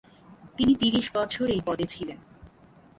তিনি ত্রিশ বছর এই পদে ছিলেন।